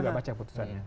kita baca putusannya